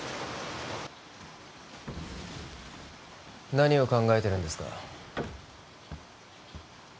何を考えてるんですか？